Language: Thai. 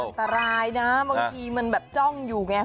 อันตรายนะบางทีมันแบบจ้องอยู่ไง